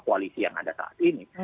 koalisi yang ada saat ini